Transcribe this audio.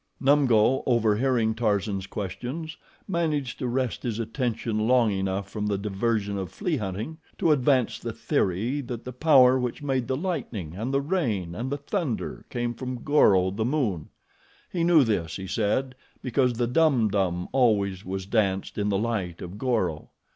Numgo, overhearing Tarzan's questions, managed to wrest his attention long enough from the diversion of flea hunting to advance the theory that the power which made the lightning and the rain and the thunder came from Goro, the moon. He knew this, he said, because the Dum Dum always was danced in the light of Goro.